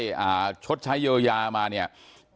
แม้นายเชิงชายผู้ตายบอกกับเราว่าเหตุการณ์ในครั้งนั้น